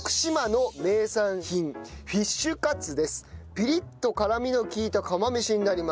ピリッと辛みの利いた釜飯になります。